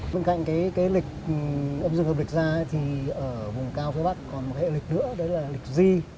bên cạnh cái lịch âm dương vừa lịch ra thì ở vùng cao phía bắc còn một hệ lịch nữa đấy là lịch di